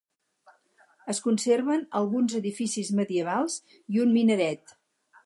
Es conserven alguns edificis medievals i un minaret.